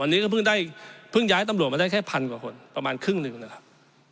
วันนี้ก็เพิ่งได้เพิ่งย้ายตำรวจมาได้แค่พันกว่าคนประมาณครึ่งหนึ่งนะครับ